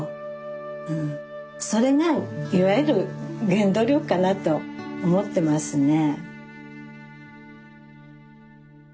それがいわゆる原動力かなと思ってますね。